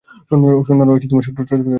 সৈন্যরা, শত্রুদের ধ্বংস কর!